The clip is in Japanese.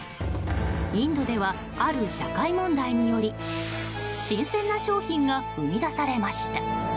インドではある社会問題により新鮮な商品が生み出されました。